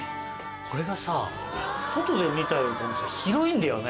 これがさ外で見たよりかも広いんだよね。